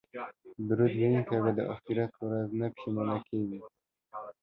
درود ویونکی به د اخرت په ورځ نه پښیمانه کیږي